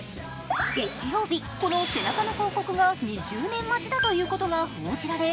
月曜日、この背中の広告が２０年待ちだということが報じられ